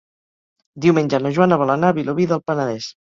Diumenge na Joana vol anar a Vilobí del Penedès.